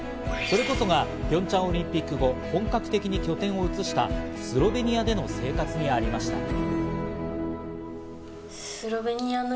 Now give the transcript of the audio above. それこそがピョンチャンオリンピック後、初めて拠点を移したスロベニアでの生活にありました。